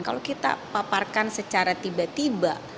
kalau kita paparkan secara tiba tiba